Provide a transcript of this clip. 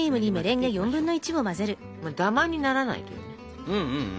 ダマにならないというか。